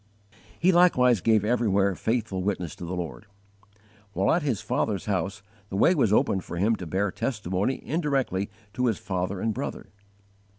He likewise gave everywhere faithful witness to the Lord. While at his father's house the way was opened for him to bear testimony indirectly to his father and brother.